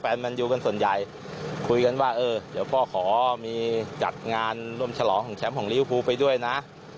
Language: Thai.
แมนยูกันส่วนใหญ่คุยกันว่าเออเดี๋ยวพ่อขอมีจัดงานร่วมฉลองของแชมป์ของลิวภูไปด้วยนะ